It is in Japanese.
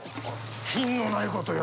品のないことよ。